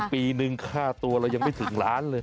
ปีนึงค่าตัวเรายังไม่ถึงล้านเลย